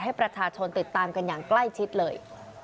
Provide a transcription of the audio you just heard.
ให้ประชาชนติดตามกันอย่างใกล้ชิดเลย